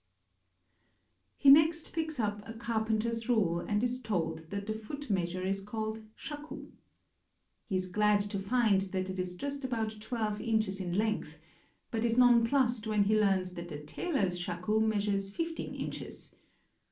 He next picks up a carpenter's rule, and is told that the foot measure is called shaku. He is glad to find that 449 JAPAN it is just about twelve inches in length, but is nonplussed when he learns that the tailor's shaku measures fifteen inches.